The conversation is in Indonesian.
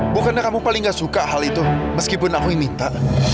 bukannya kamu paling gak suka hal itu meskipun aku minta